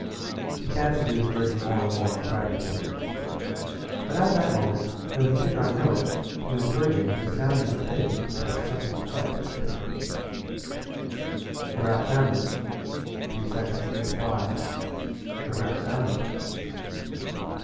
He fancied he was verging more and more toward pragmatism. But at that moment, though he did not know it, he was verging with astounding rapidity toward something quite different. The rap sounded three seconds leaked by the rap sounded.